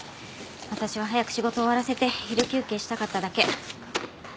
私は早く仕事を終わらせて昼休憩したかっただけ。